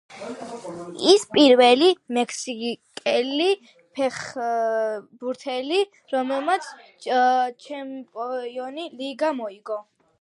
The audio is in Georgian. ის პირველი მექსიკელი ფეხბურთელია, რომელმაც ჩემპიონთა ლიგა მოიგო.